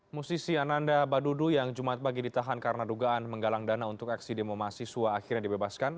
musisi ananda badudu yang jumat pagi ditahan karena dugaan menggalang dana untuk aksi demo mahasiswa akhirnya dibebaskan